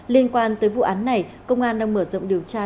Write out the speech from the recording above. liên quan tới vụ án này công an đang mở rộng điều tra